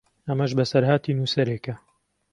ئەمەش بەسەرهاتی نووسەرێکە